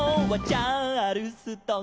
「チャールストン」